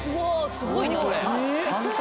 すごいねこれ勝浦